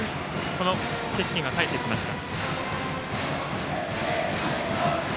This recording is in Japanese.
この景色が帰ってきました。